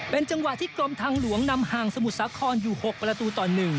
เป็นจังหวะที่กลมทางหลวงนำห่างสมุดสาขอนอยู่หกประตูตอนหนึ่ง